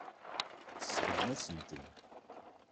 Tsebɣem-asen-ten.